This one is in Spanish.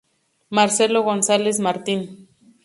Marcelo González Martín.